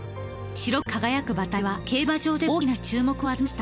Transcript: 白く輝く馬体は競馬場でも大きな注目を集めました。